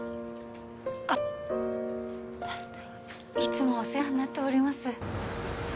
あっいつもお世話になっております